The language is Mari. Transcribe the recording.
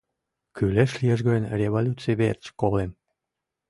Кӱлеш лиеш гын, революций верч колем.